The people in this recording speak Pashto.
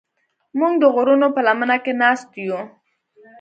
موږ د غرونو په لمنه کې ناست یو.